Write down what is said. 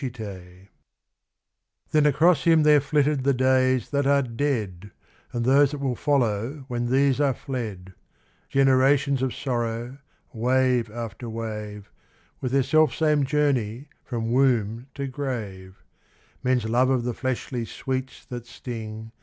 XI Then across him there flitted the days that are dead, And those that will follow when these are fled ; Generations of sorrow, w\T.ve after wave. With their samesome journey from womb to grave ; Men's love of the fleshly sweets that sting.